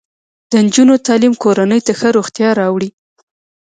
د نجونو تعلیم کورنۍ ته ښه روغتیا راوړي.